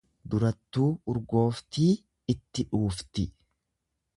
Durattuu urgooftii itti dhuufti.